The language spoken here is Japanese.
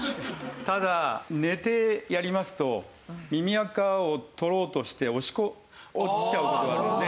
ただ寝てやりますと耳垢を取ろうとして落ちちゃう事があるので。